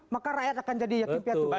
maka rakyat akan jadi yatim piatu